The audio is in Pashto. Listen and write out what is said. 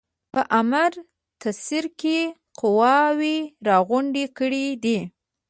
په امرتسر کې قواوي را غونډي کړي دي.